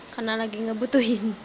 karena lagi ngebutuhin